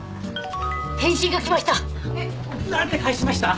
返信が来ました。